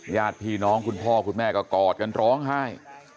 ญาติพี่น้องคุณพ่อคุณแม่ก็กอดกันร้องไห้